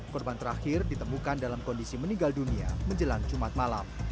korban terakhir ditemukan dalam kondisi meninggal dunia menjelang jumat malam